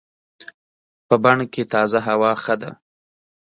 په بڼ کې تازه هوا ښه ده.